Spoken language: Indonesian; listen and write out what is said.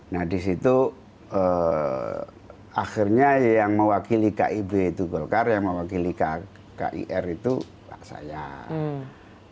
nah di situ akhirnya yang mewakili kib itu golkar yang mewakili kir itu pak sayang